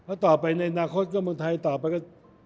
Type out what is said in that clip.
เพราะต่อไปในอนาคตก็บางทีต่อไปก็